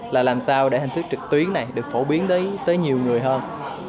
là làm sao để hình thức trực tuyến này được phổ biến tới nhiều người hơn